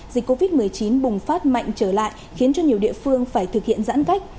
dịch covid một mươi chín bùng phát mạnh trở lại khiến cho nhiều địa phương phải thực hiện giãn cách